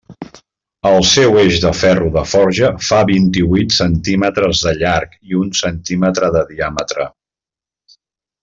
El seu eix de ferro de forja fa vint-i-huit centímetres de llarg i un centímetre de diàmetre.